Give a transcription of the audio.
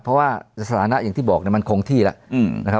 เพราะว่าสถานะอย่างที่บอกมันคงที่แล้วนะครับ